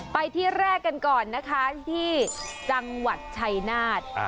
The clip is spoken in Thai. ไปที่แรกกันก่อนนะคะที่จังหวัดชัยนาธ